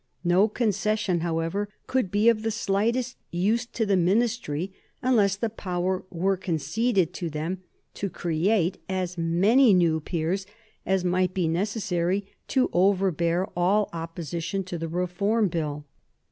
No concession, however, could be of the slightest use to the Ministry unless the power were conceded to them to create as many new peers as might be necessary to overbear all opposition to the Reform Bill.